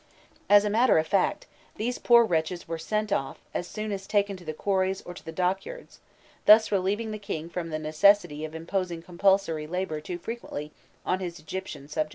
* As a matter of fact, these poor wretches were sent off as soon as taken to the quarries or to the dockyards, thus relieving the king from the necessity of imposing compulsory labour too frequently on his Egyptian subjects.